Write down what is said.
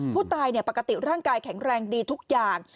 ผู้ตายปกติร่างกายแข็งแรงดีทุกอย่าง